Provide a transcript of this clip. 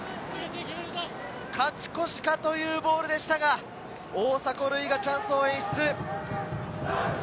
勝ち越しかというボールでしたが、大迫塁がチャンスを演出。